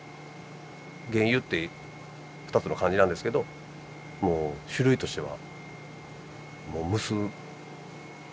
原油って２つの漢字なんですけどもう種類としてはもう無数。